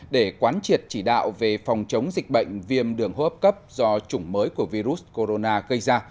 để quán triệt chỉ đạo về phòng chống dịch bệnh viêm đường hô hấp cấp do chủng mới của virus corona gây ra